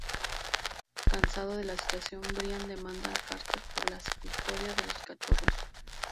Cansado de la situación, Brian demanda a Carter por la custodia de los cachorros.